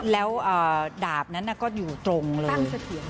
แล้วดาบนั้นก็อยู่ตรงเลย